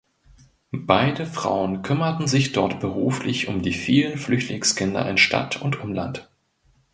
Beide Frauen kümmerten sich dort beruflich um die vielen Flüchtlingskinder in Stadt und Umland.